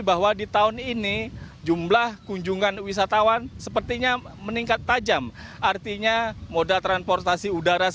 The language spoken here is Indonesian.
bahwa di tahun ini jumlah kunjungan wisatawan sepertinya meningkat tajam artinya modal transportasi udara